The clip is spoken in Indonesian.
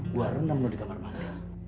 gua renam lu di kamar mandi